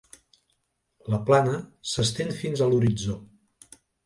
La plana s'estén fins a l'horitzó.